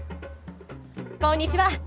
こんにちは。